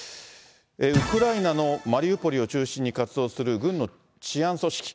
ウクライナのマリウポリを中心に活動する軍の治安組織。